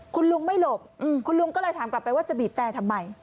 คุณลุงไม่หลบคุณลุงก็เลยถามกลับไปว่าจะบีบแต่ทำไม